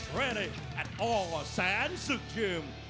๑๘ปีและอ่อแซนซุ๊กทีม